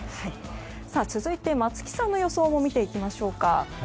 続いて松木さんの予想も見ていきましょう。